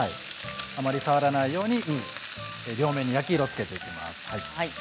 あまり触らないように両面に焼き色をつけていきます。